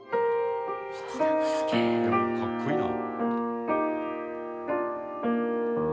でもかっこいいな。